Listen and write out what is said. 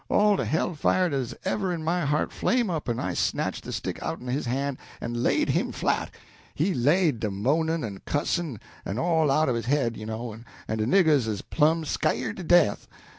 All de hell fire dat 'uz ever in my heart flame' up, en I snatch de stick outen his han' en laid him flat. He laid dah moanin' en cussin', en all out of his head, you know, en de niggers 'uz plumb sk'yred to death.